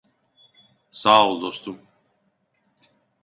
Sağol dostum.